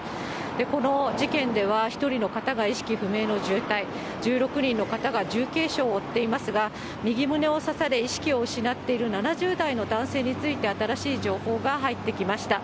この事件では、１人の方が意識不明の重体、１６人の方が重軽傷を負っていますが、右胸を刺され、意識を失っている７０代の男性について新しい情報が入ってきました。